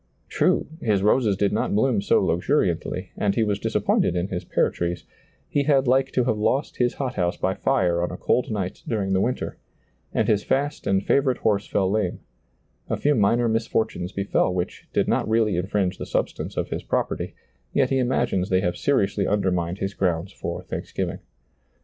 True, his roses did not bloom so luxuriantly, and he was disappointed in his pear trees ; he had like to have lost his hothouse by fire on a cold night during the winter ; and his fast and favorite horse fell lame ; a few minor misfortunes befell which did not really infringe the substance of his prop erty, yet he imagines they have seriously under mined his grounds for thanksgiving.